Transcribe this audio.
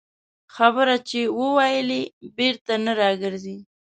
خبره چې ووېلې، بېرته نه راګرځي